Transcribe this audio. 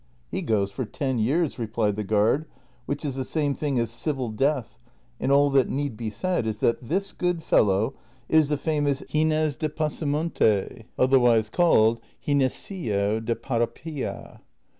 "■ He goes for ten years," replied the giuird, " which is the same thing as civil death, and all that need be said is that this good fellow is the famous Gines de Pasamonte, otherwise called Ginesillo de Parapilla."